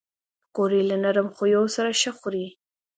پکورې له نرم خویو سره ښه خوري